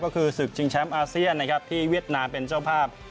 ก็คือศึกชิงแชมป์อาเซียนนะครับที่เวียดนามเป็นเจ้าภาพ